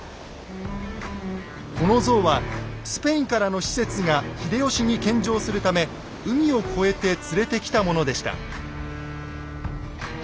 このゾウはスペインからの使節が秀吉に献上するため海を越えて連れてきたものでした。